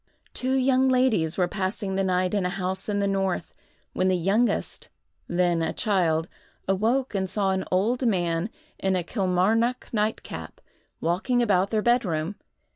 Two young ladies were passing the night in a house in the north, when the youngest, then a child, awoke and saw an old man, in a Kilmarnock nightcap, walking about their bed room.